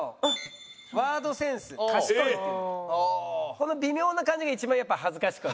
この微妙な感じが一番やっぱ恥ずかしく。